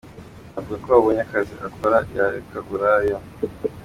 Avuga ko abonye akazi akora yareka uburaya.